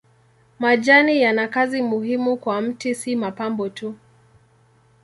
Majani yana kazi muhimu kwa mti si mapambo tu.